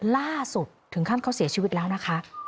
ล่าสุดถึงขั้นเขาเสียชีวิตแล้วนะคะ